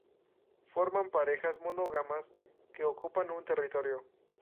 Forman parejas monógamas que ocupan un territorio.